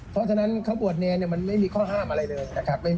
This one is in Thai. เพราะฉะนั้นเขาบวชเนรมันไม่มีข้อห้ามอะไรเลยนะครับ